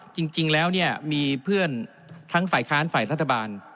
จริงแล้วเนี่ยมีเพื่อนทั้งฝ่ายค้านฝ่ายรัฐบาล